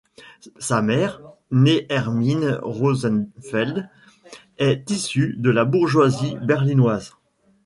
Sa mère, née Hermine Rosenfeld, est issue de la bourgeoisie berlinoise.